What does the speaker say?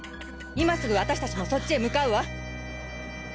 今すぐ私達もそっちへ向かうわ！